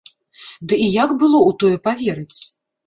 Ды і як было ў тое паверыць?